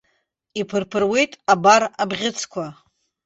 Иԥырԥыруеит абар абӷьыцқәа.